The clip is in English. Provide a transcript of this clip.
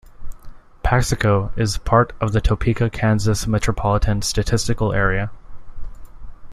Paxico is part of the Topeka, Kansas Metropolitan Statistical Area.